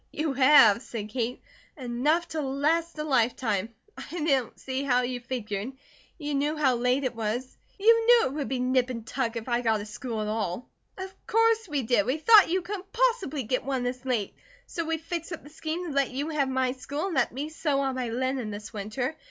"You have," said Kate. "Enough to last a lifetime. I don't see how you figured. You knew how late it was. You knew it would be nip and tuck if I got a school at all." "Of course we did! We thought you couldn't possibly get one, this late, so we fixed up the scheme to let you have my school, and let me sew on my linen this winter.